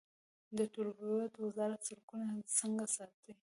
د ټولګټو وزارت سړکونه څنګه ساتي؟